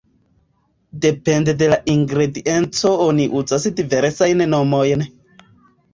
Depende de la ingredienco oni uzas diversajn nomojn.